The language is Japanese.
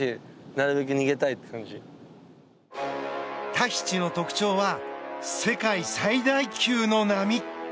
タヒチの特徴は世界最大級の波。